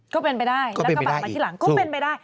ก็เป็นไปได้แล้วกระบะมาที่หลังก็เป็นไปได้